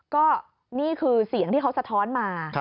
ก็นี่คือเสียงที่เขาสะท้อนมา